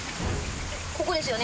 ここですよね